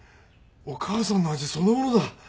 お母さんの味そのものだ